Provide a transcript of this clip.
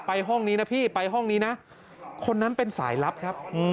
ห้องนี้นะพี่ไปห้องนี้นะคนนั้นเป็นสายลับครับ